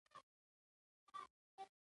آیا شیراز د حافظ او سعدي ښار نه دی؟